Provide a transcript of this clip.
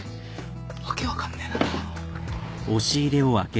訳分かんねえな。